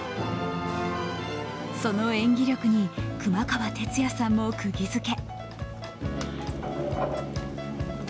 その演技力に熊川哲也さんもくぎづけ。